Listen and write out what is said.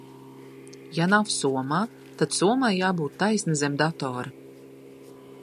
Ja nav somā, tad somai jābūt taisni zem datora.